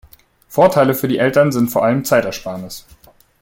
Vorteile für die Eltern sind vor allem Zeitersparnis.